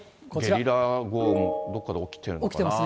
ゲリラ豪雨もどっかで起きてるのかな。